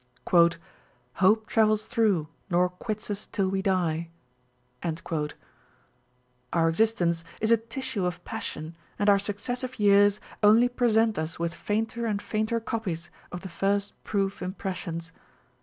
Hope travels through, nor quits us till we die. Our existence is a tissue of passion, and our successive years only present us with fainter and fainter copies of the first proof impressions.